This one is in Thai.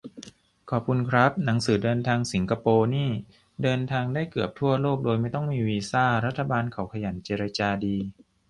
ขอบคุณครับ หนังสือเดินทางสิงคโปร์นี่เดินทางได้เกือบทั่วโลกโดยไม่ต้องมีวีซ่า รัฐบาลเขาขยันเจรจาดี